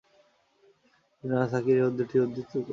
ইবনে আসাকির এ উক্তিটি উদ্ধৃত করেছেন।